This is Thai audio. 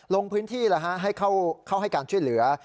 ลงพื้นที่ให้เข้าให้การช่วยเหลือ